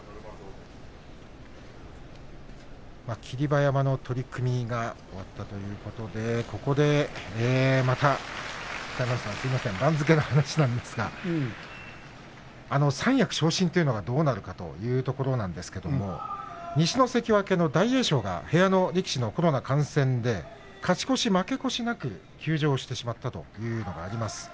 馬山の取組が終わったということでここで、また番付の話なんですが三役昇進というのは、どうなるかというところなんですが西の関脇の大栄翔が部屋の力士のコロナ感染で勝ち越し、負け越しなく休場してしまったということがあります。